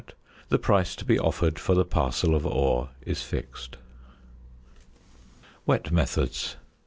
the price to be offered for the parcel of ore is fixed. WET METHODS.